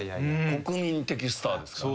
国民的スターですから。